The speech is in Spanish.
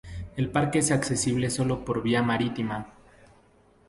El parque es accesible sólo por vía marítima.